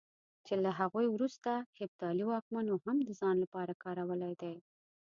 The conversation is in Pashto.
چې له هغوی وروسته هېپتالي واکمنو هم د ځان لپاره کارولی دی.